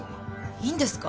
いいんですか？